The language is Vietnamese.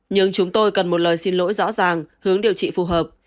nhưng chúng tôi cần một lời xin lỗi rõ ràng hướng điều trị phù hợp